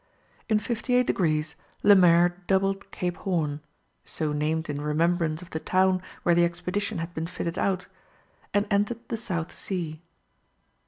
In 58 degrees Lemaire doubled Cape Horn so named in remembrance of the town where the expedition had been fitted out and entered the South Sea.